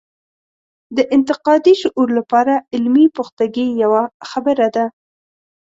د انتقادي شعور لپاره علمي پختګي یوه خبره ده.